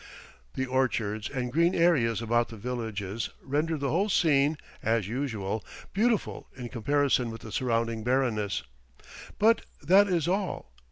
The orchards and green areas about the villages render the whole scene, as usual, beautiful in comparison with the surrounding barrenness, but that is all.